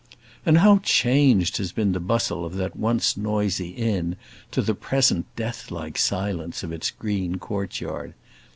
And how changed has been the bustle of that once noisy inn to the present death like silence of its green courtyard!